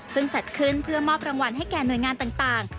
ซึ่งจัดขึ้นเพื่อมอบรางวัลให้แก่หน่วยงานต่าง